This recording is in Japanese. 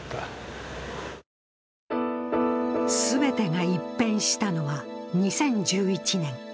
全てが一変したのは２０１１年。